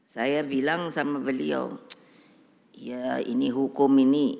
saya bilang sama beliau ya ini hukum ini